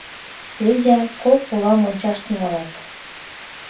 Федя, кок улам ончаш тӱҥалат.